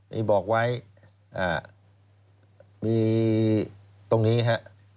มีบอกไว้มีตรงนี้ครับ